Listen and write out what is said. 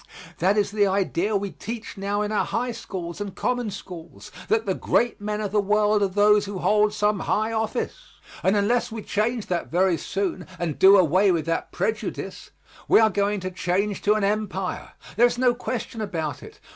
That is the idea we teach now in our high schools and common schools, that the great men of the world are those who hold some high office, and unless we change that very soon and do away with that prejudice, we are going to change to an empire. There is no question about it.